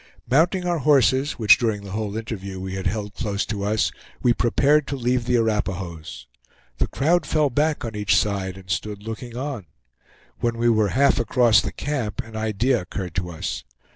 Mounting our horses, which during the whole interview we had held close to us, we prepared to leave the Arapahoes. The crowd fell back on each side and stood looking on. When we were half across the camp an idea occurred to us.